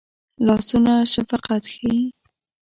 لاسونه شفقت ښيي